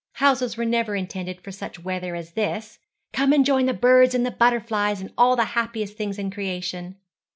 Houses were never intended for such weather as this. Come and join the birds and butterflies, and all the happiest things in creation.'